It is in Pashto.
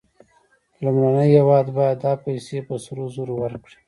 لومړنی هېواد باید دا پیسې په سرو زرو ورکړي